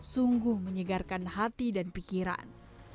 sungguh menyegarkan hati dan pikiran